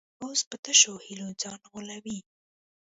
اوس په تشو هیلو ځان غولوي.